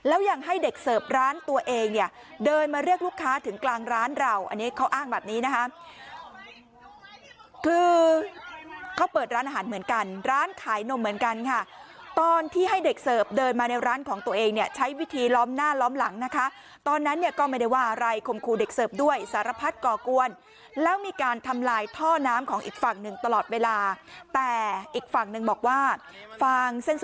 อันนี้เขาอ้างแบบนี้นะฮะคือเขาเปิดร้านอาหารเหมือนกันร้านขายนมเหมือนกันค่ะตอนที่ให้เด็กเสิร์ฟเดินมาในร้านของตัวเองเนี่ยใช้วิธีล้อมหน้าล้อมหลังนะคะตอนนั้นเนี่ยก็ไม่ได้ว่าอะไรคมครูเด็กเสิร์ฟด้วยสารพัดก่อกวนแล้วมีการทำลายท่อน้ำของอีกฝั่งหนึ่งตลอดเวลาแต่อีกฝั่งหนึ่งบอกว่าฟางเส้นส